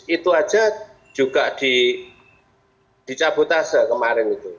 itu saja juga dicabutase kemarin itu